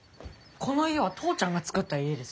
この家は父ちゃんが作った家です。